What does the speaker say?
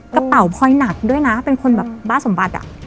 กระเป๋าพลอยหนักด้วยนะเป็นคนแบบบ้าสมบัติอ่ะ